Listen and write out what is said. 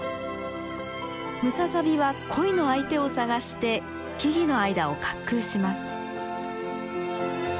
ムササビは恋の相手を探して木々の間を滑空します。